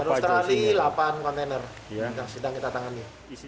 dari australia delapan kontainer sedang kita tangani